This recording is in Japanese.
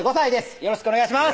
よろしくお願いします